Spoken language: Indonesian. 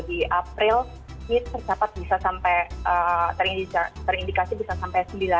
di april ini tercatat bisa sampai terindikasi bisa sampai sembilan